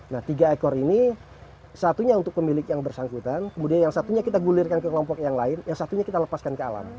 nah tiga ekor ini satunya untuk pemilik yang bersangkutan kemudian yang satunya kita gulirkan ke kelompok yang lain yang satunya kita lepaskan ke alam